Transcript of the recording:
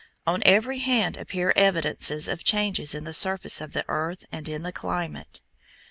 On every hand appear evidences of changes in the surface of the earth and in the climate.